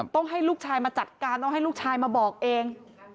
ต้องให้ลูกชายมาจัดการต้องให้ลูกชายมาบอกเอง